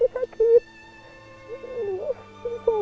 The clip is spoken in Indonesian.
ini suaminya terlalu